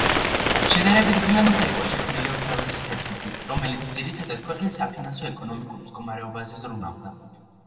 შედარებით გვიან უნდა იყოს შექმნილი „ორთა ვეზირთა“ ჯგუფი, რომელიც ძირითადად ქვეყნის საფინანსო-ეკონომიკურ მდგომარეობაზე ზრუნავდა.